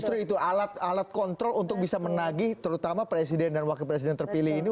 justru itu alat alat kontrol untuk bisa menagih terutama presiden dan wakil presiden terpilih ini